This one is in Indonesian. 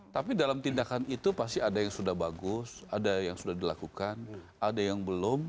tapi dalam tindakan itu pasti ada yang sudah bagus ada yang sudah dilakukan ada yang belum